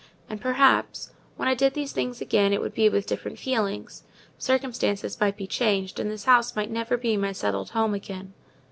And, perhaps, when I did these things again it would be with different feelings: circumstances might be changed, and this house might never be my settled home again.